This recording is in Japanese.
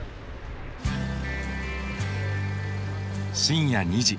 深夜２時。